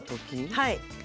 はい。